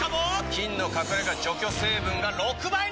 菌の隠れ家除去成分が６倍に！